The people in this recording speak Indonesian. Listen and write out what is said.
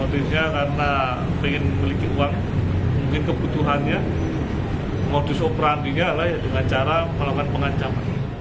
polisnya karena ingin memiliki uang mungkin kebutuhannya modus operandinya lah ya dengan cara melakukan pengancam